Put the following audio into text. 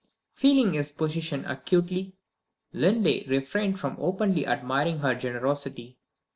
Feeling his position acutely, Linley refrained from openly admiring her generosity.